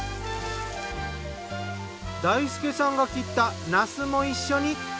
大輔さんが切ったなすも一緒に。